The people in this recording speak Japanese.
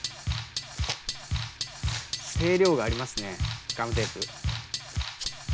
声量がありますねガムテープ。